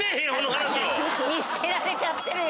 見捨てられちゃってるよ。